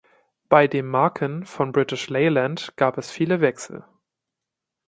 Bei dem Marken von British Leyland gab es viele Wechsel.